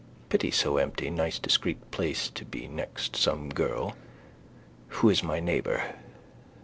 Pity so empty. Nice discreet place to be next some girl. Who is my neighbour?